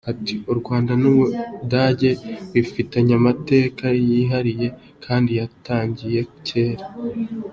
Ati "U Rwanda n’u Budage bifitanye amateka yihariye kandi yatangiye kera.